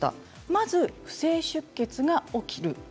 まず不正出血が起きる。